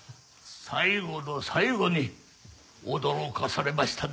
最後の最後に驚かされましたね。